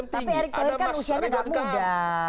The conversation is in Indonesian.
tapi erick thohir kan usianya gak muda